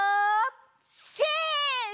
せの！